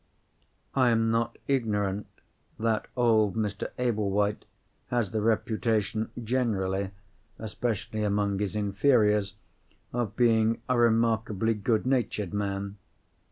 I am not ignorant that old Mr. Ablewhite has the reputation generally (especially among his inferiors) of being a remarkably good natured man.